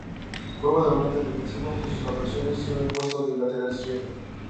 Juega de volante defensivo, aunque sus apariciones son en el puesto de lateral izquierdo.